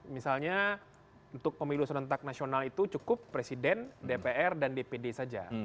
misalnya untuk pemilu serentak nasional itu cukup presiden dpr dan dpd saja